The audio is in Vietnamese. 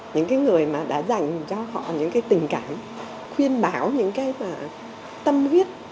những người mà đã dành cho họ những tình cảm khuyên báo những cái tâm huyết